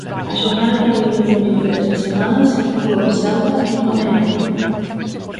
A xornada de Liga no medio desta semana sitúa o Celta en Cornellá.